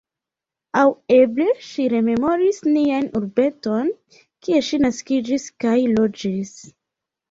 Aŭ eble ŝi rememoris nian urbeton, kie ŝi naskiĝis kaj loĝis.